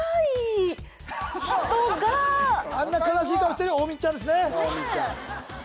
があんな悲しい顔してる大道ちゃんですね